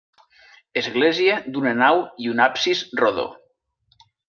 Església d'una nau i un absis rodó.